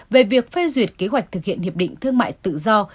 về việc phê duyệt kế hoạch thực hiện hiệp định thương mại tự do